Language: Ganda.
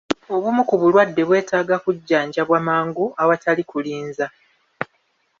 Obumu ku bulwadde bwetaaga kujjanjabwa mangu awatali kulinza.